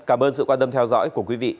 cảm ơn sự quan tâm theo dõi của quý vị